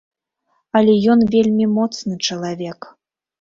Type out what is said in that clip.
Але ён вельмі моцны чалавек.